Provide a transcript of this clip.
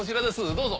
どうぞ。